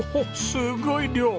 すごい量！